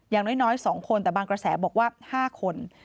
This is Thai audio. อย่างน้อย๒คนแต่บางกระแสบอกว่า๕คน